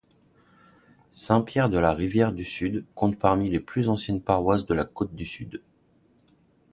Saint-Pierre-de-la-Rivière-du-Sud compte parmi les plus anciennes paroisses de la Côte-du-Sud.